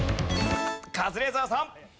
カズレーザーさん。